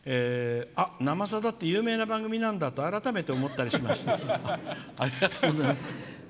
「生さだ」って有名な番組なんだって改めて思ったりしました」。